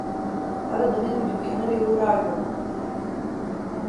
Arada benim dükkana bir uğrardı.